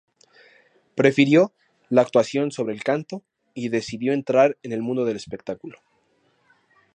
Prefirió la actuación sobre el canto y decidió entrar en el mundo del espectáculo.